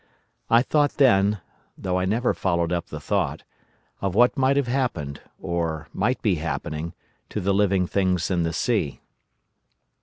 I thought then—though I never followed up the thought—of what might have happened, or might be happening, to the living things in the sea.